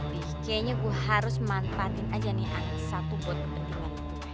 tapi kayaknya gue harus manfaatin aja nih anak satu buat kepentingan gue